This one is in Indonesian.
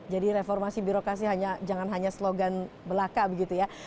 reformasi birokrasi jangan hanya slogan belaka begitu ya